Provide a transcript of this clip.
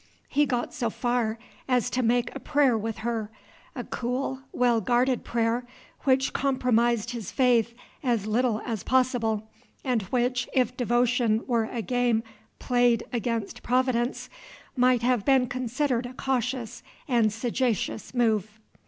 He got so far as to make a prayer with her, a cool, well guarded prayer, which compromised his faith as little as possible, and which, if devotion were a game played against Providence, might have been considered a cautious and sagacious move.